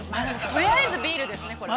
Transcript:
とりあえずビールですね、これは。